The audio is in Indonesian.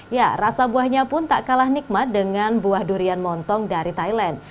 ya rasa buahnya pun tak kalah nikmat dengan buah durian montong dari thailand